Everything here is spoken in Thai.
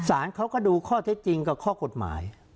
สารเขาก็ดูข้อเท็จจริงกับข้อกฎหมาย